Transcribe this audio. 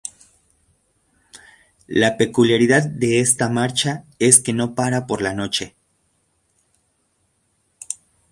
La peculiaridad de esta marcha es que no para por la noche.